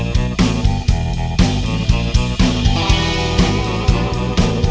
nunggu akang di surga